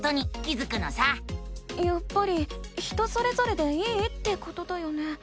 やっぱり人それぞれでいいってことだよね？